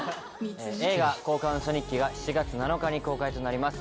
映画『交換ウソ日記』が７月７日に公開となります。